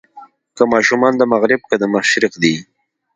که ماشومان د مغرب که د مشرق دي.